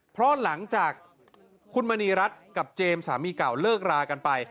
เพราะหลังจากคุณมณีรัฐกับเจมส์สามีเก่าเลิกรากันไป